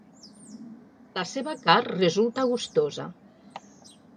La seva carn resulta gustosa.